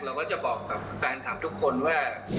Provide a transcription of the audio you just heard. เราก็จะบอกกับแฟนคลับทุกคนว่า